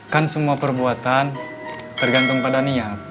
kan semua perbuatan tergantung pada niat